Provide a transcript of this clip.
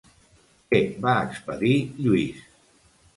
Què va expedir Lluís?